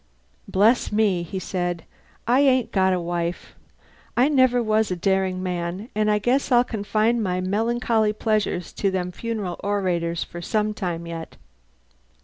"Bless me," he said, "I ain't got a wife. I never was a daring man, and I guess I'll confine my melancholy pleasures to them funereal orators for some time yet."